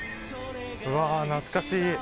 うわ懐かしい。